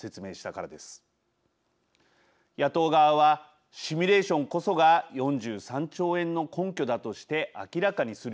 野党側はシミュレーションこそが４３兆円の根拠だとして明らかにするよう要求。